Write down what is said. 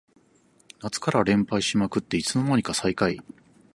夏から連敗しまくっていつの間にか最下位